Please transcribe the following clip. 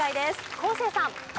昴生さん。